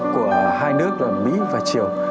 của hai nước là mỹ và triều